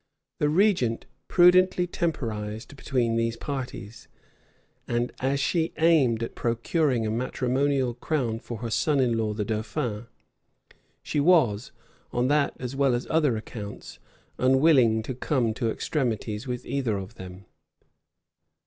[] The regent prudently temporized between these parties; and as she aimed at procuring a matrimonial crown for her son in law the dauphin, she was, on that as well as other accounts, unwilling to come to extremities with either of them.